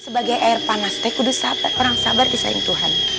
sebagai air panas saya kudus orang sabar disayang tuhan